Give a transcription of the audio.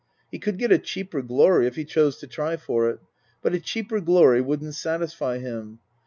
He could get a cheaper glory if he chose to try for it ; but a cheaper glory wouldn't satisfy him.